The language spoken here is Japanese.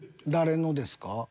誰のですか？